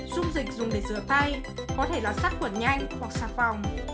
dung dịch dùng để rửa tay có thể là sắt quẩn nhanh hoặc sạc phòng